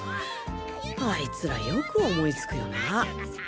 あいつらよく思いつくよなぁ。